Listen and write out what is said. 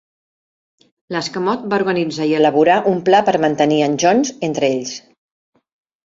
L"escamot va organitzar i elaborar un pla per mantenir en Jones entre ells.